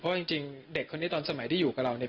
เพราะจริงเด็กคนนี้ตอนสมัยที่อยู่กับเราเนี่ย